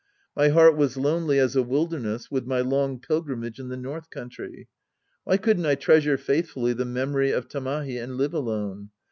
My heart was lonely as a wilderness with my long pilgrimage in the north country. Why couldn't I treasure faithfully the memory of Tamahi and live alone